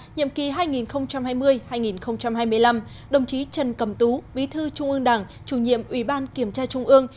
nhiệm kỳ hai nghìn hai mươi hai nghìn hai mươi năm đồng chí trần cầm tú bí thư trung ương đảng chủ nhiệm ủy ban kiểm tra trung ương